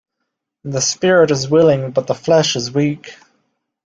The spirit is willing but the flesh is weak.